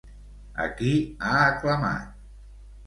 A qui ha aclamat?